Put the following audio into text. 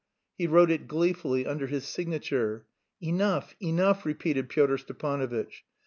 He wrote it gleefully under his signature. "Enough, enough," repeated Pyotr Stepanovitch.